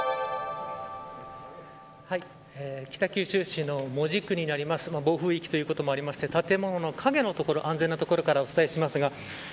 北九州市の門司区になりますが暴風域ということもありまして建物の陰の安全な所からお伝えしています。